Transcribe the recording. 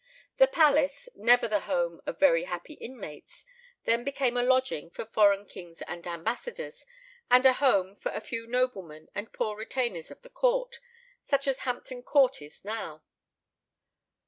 The palace, never the home of very happy inmates, then became a lodging for foreign kings and ambassadors, and a home for a few noblemen and poor retainers of the court, much as Hampton Court is now.